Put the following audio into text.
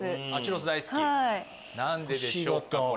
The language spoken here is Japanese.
何ででしょうか？